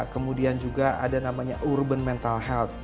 kemudian juga ada namanya urban mental health